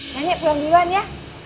nenek pulang duluan ya